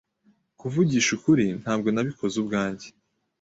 Kuvugisha ukuri, ntabwo nabikoze ubwanjye.